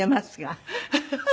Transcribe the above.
ハハハハ。